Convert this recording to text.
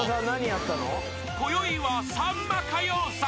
［こよいはさんま歌謡祭］